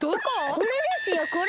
これですよこれ！